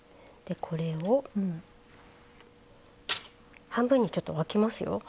でこれを半分にちょっと分けますよ。